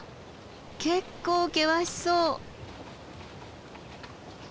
結構険しそう。